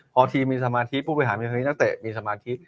พอทีมมีสมาธิผู้พยาบาลมีสมาธิ